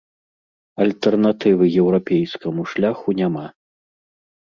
Альтэрнатывы еўрапейскаму шляху няма.